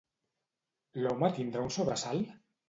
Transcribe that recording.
L'home tindrà un sobresalt?